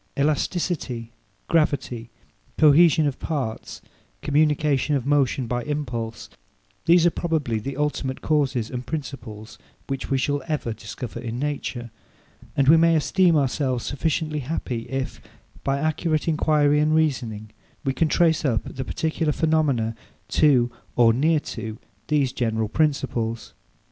Elasticity, gravity, cohesion of parts, communication of motion by impulse; these are probably the ultimate causes and principles which we shall ever discover in nature; and we may esteem ourselves sufficiently happy, if, by accurate enquiry and reasoning, we can trace up the particular phenomena to, or near to, these general principles.